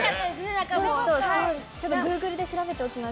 グーグルで調べておきます。